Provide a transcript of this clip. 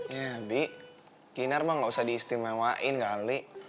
iya bi kinar mah enggak usah diistimewain kali